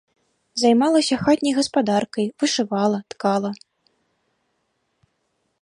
Займалася хатняй гаспадаркай, вышывала, ткала.